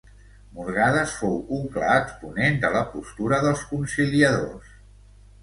Morgades fou un clar exponent de la postura dels conciliadors.